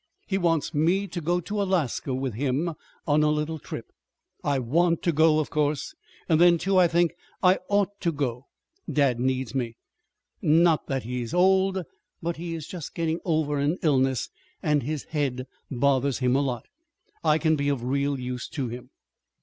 He wants me to go to Alaska with him on a little trip. I want to go, of course. Then, too, I think I ought to go. Dad needs me. Not that he is old, but he is just getting over an illness, and his head bothers him a lot. I can be of real use to him.